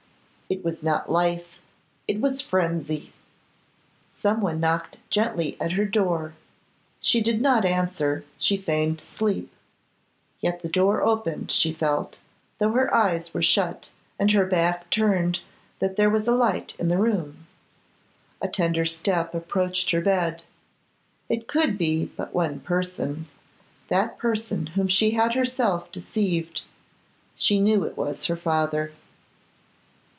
It was not life; it was frenzy! Some one knocked gently at her door. She did not answer, she feigned sleep. Yet the door opened, she felt, though her eyes were shut and her back turned, that there was a light in the room. A tender step approached her bed. It could be but one person, that person whom she had herself deceived. She knew it was her father.